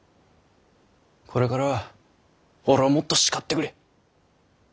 これからは俺をもっと叱ってくれ。